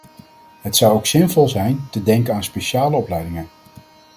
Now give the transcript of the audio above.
Het zou ook zinvol zijn te denken aan speciale opleidingen.